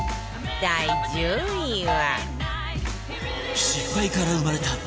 第１０位は